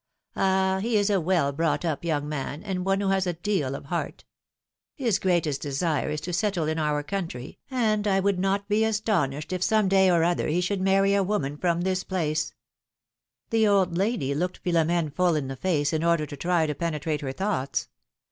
Ah ! he is a well brought up young man, and one who has a deal of heart ! His greatest desire is to settle in our country, and I would not be astonished if some day or other he should marry a woman from this place." PHILOMi:NE^S MARRIAGES. 289 The old lady looked Pliilom^ne full in the face, in order to try to penetrate her thoughts.